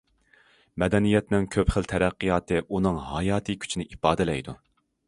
مەدەنىيەتنىڭ كۆپ خىل تەرەققىياتى ئۇنىڭ ھاياتىي كۈچىنى ئىپادىلەيدۇ.